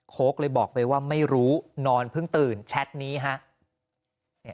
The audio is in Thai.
เลยบอกไปว่าไม่รู้นอนเพิ่งตื่นแชทนี้ฮะ